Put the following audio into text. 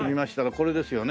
これですよね？